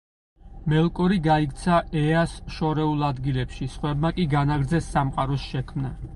მელკორი გაიქცა ეას შორეულ ადგილებში, სხვებმა კი განაგრძეს სამყაროს შექმნა.